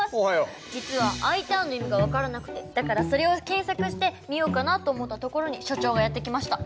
実は「Ｉターン」の意味が分からなくてだからそれを検索してみようかなと思ったところに所長がやって来ました。